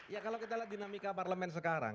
ya kalau kita lihat dinamika parlemen sekarang